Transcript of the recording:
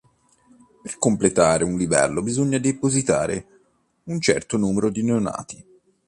Per completare un livello bisogna depositare un certo numero di neonati.